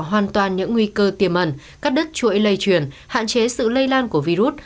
hoàn toàn những nguy cơ tiềm ẩn cắt đứt chuỗi lây truyền hạn chế sự lây lan của virus